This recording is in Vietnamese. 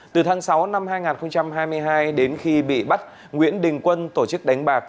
từ tháng sáu năm hai nghìn hai mươi hai đến khi bị bắt nguyễn đình quân tổ chức đánh bạc